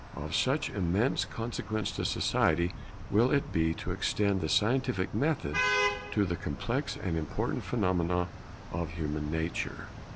Of such immense consequence to society will it be to extend the scientific method to the complex and important phenomena of human nature.